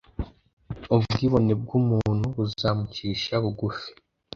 Ubwibone bw umuntu buzamucisha bugufi